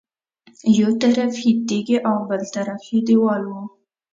یو طرف یې تیږې او بل طرف یې دېوال و.